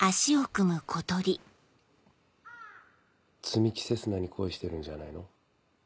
摘木星砂に恋してるんじゃないの？